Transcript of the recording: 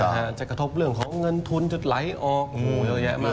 ครับจะกระทบเรื่องของเงินทุนเธอไร้ออกโอ้โหเยอะมาก